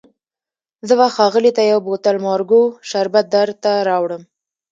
زه به ښاغلي ته یو بوتل مارګو شربت درته راوړم.